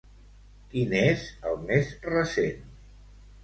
Quin és el més recent?